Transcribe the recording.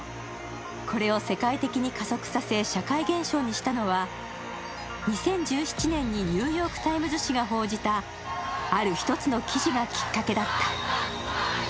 これを世界的に加速させ社会現象にしたのは２０１７年に「ニューヨーク・タイムズ」紙が報じたある一つの記事がきっかけだった。